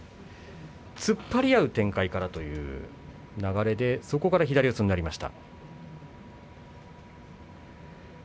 突っ張り合う展開かなという流れでそこから左四つになりました。